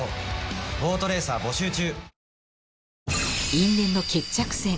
因縁の決着戦。